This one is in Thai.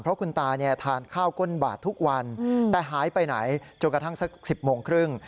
เพราะคุณตาเนี่ยทานข้าวก้นบาททุกวันแต่หายไปไหนจนกระทั่งสัก๑๐โมงครึ่ง